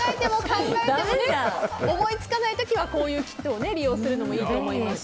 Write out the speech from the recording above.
考えても思いつかない時はこういうキットを利用するのもいいと思います。